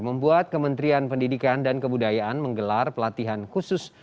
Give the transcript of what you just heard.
membuat kementerian pendidikan dan kebudayaan menggelar pelatihan khusus